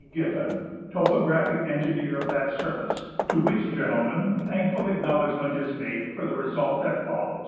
Giffin, topographic engineer of that service, to which gentleman thankful acknowledgment is made for the result that follows.